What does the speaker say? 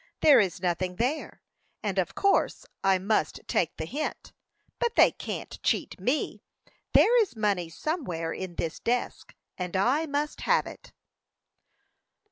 "There is nothing there, and of course I must take the hint; but they can't cheat me. There is money somewhere in this desk, and I must have it."